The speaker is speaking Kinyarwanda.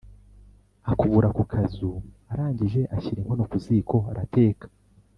Akubura ako kazu, arangije ashyira inkono ku ziko arateka